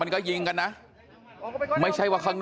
โอ้โหยังไม่หยุดนะครับ